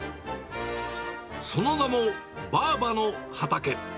その名も、ばぁばの畑。